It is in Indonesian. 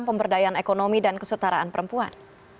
pemberdayaan ekonomi dan kesetaraan perempuan